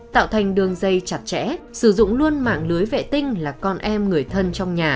tạo thành đường dây chặt chẽ sử dụng luôn mạng lưới vệ tinh là con em người thân trong nhà